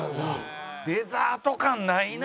デザート感ないな